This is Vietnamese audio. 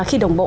khi đồng bộ